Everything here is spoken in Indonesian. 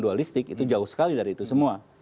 dualistik itu jauh sekali dari itu semua